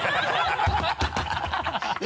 ハハハ